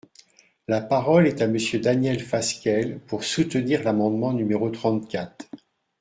La parole est à Monsieur Daniel Fasquelle, pour soutenir l’amendement numéro trente-quatre.